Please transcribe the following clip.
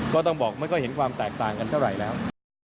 ก็ต้องบอกไม่ค่อยเห็นความแตกต่างกันเท่าไหร่แล้ว